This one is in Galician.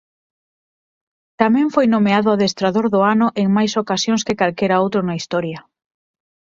Tamén foi nomeado «adestrador do ano» en máis ocasións que calquera outro na historia.